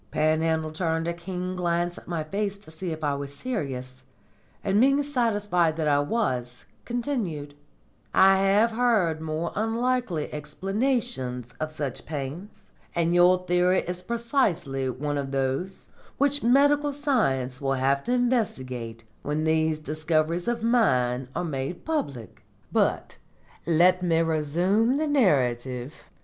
Panhandle turned a keen glance at my face to see if I was serious, and, being satisfied that I was, continued: "I have heard more unlikely explanations of such pains, and your theory is precisely one of those which medical science will have to investigate when these discoveries of mine are made public. But let me resume the narrative.